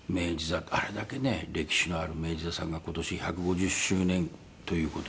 あれだけね歴史のある明治座さんが今年１５０周年という事で。